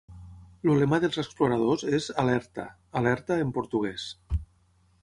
El lema dels exploradors és "Alerta", "alerta" en portuguès.